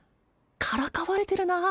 からかわれてるなあ